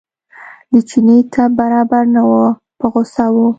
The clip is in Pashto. د چیني طبع برابره نه وه په غوسه و.